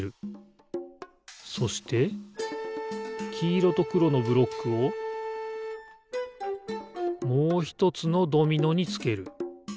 そしてきいろとくろのブロックをもうひとつのドミノにつける。